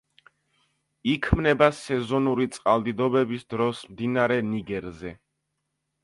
იქმნება სეზონური წყალდიდობების დროს მდინარე ნიგერზე.